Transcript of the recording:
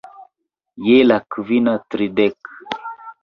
Je la kvina tridek.